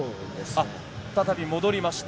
再び戻りました。